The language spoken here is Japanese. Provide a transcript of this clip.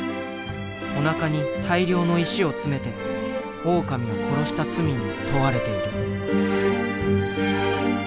おなかに大量の石を詰めてオオカミを殺した罪に問われている。